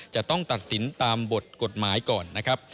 จะต้องตัดสินตามบทกฎหมายก่อนนะครับ